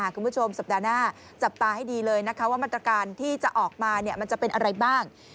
คุณผู้ชมสัปดาห์หน้าจับตาให้ดีเลยนะคะว่ามาตรการที่จะออกมามันจะเป็นอะไรบ้าง